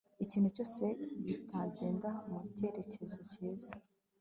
ikintu cyose kitagenda mu cyerekezo cyiza